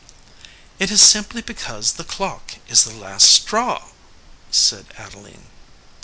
"It is simply because the clock is the last straw," said Adeline.